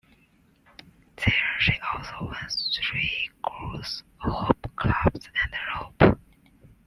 There she also won three golds - Hoop, Clubs and Rope.